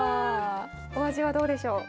お味はどうでしょう。